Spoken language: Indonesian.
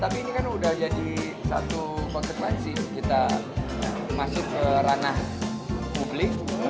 tapi ini kan udah jadi satu konsekuensi kita masuk ke ranah publik